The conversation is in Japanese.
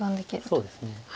そうですね。